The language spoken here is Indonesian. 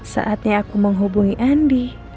saatnya aku menghubungi andi